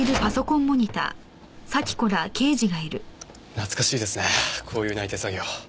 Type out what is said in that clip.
懐かしいですねこういう内偵作業。